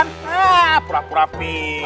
nah pura pura pisah